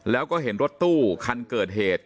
แล้วก็เห็นรถตู้คันเกิดเหตุ